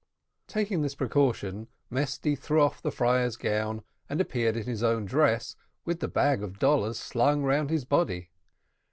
Taking this precaution, Mesty threw off the friar's gown, and appeared in his own dress, with the bag of dollars slung round his body.